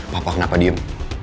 papa kenapa diem